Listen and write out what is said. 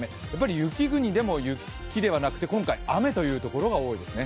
雪国でも雪ではなくて今回雨というところが多いですね。